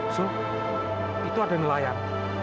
su itu ada nelayan